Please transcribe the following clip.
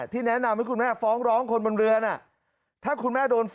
แนะนำให้คุณแม่ฟ้องร้องคนบนเรือน่ะถ้าคุณแม่โดนฟ้อง